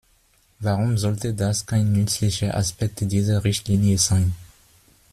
Warum sollte das kein nützlicher Aspekt dieser Richtlinie sein?